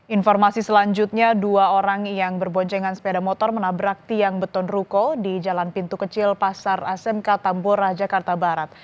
informasi selanjutnya dua orang yang berboncengan sepeda motor menabrak tiang beton ruko di jalan pintu kecil pasar asmk tambora jakarta barat